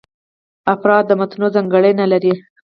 افراد متنوع ځانګړنې لري.